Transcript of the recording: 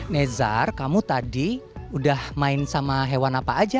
nezar kamu tadi udah main sama hewan apa aja